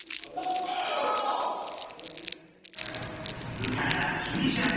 迎えたチュニジア戦。